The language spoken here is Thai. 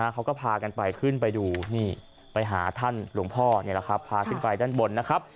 เขาก็พากันไปขึ้นไปดูนี่ไปหาท่านหลวงพ่อพาขึ้นไปด้านบนนะครับ